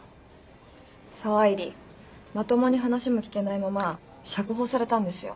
沢入まともに話も聞けないまま釈放されたんですよ。